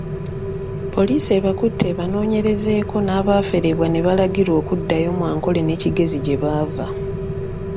Poliisi ebakutte ebanoonyerezeeko n'abaaferebwa ne balagirwa okuddayo mu Ankole ne Kigezi gye baava.